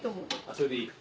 それでいい。